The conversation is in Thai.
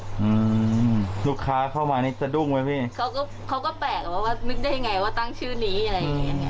อืมลูกค้าเข้ามานี่สะดุ้งไหมพี่เขาก็เขาก็แปลกว่านึกได้ยังไงว่าตั้งชื่อนี้อะไรอย่างเงี้